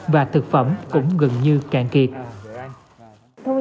và thực phẩm cũng gần như càng kiệt